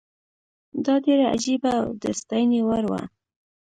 دا ډېره عجیبه او د ستاینې وړ وه.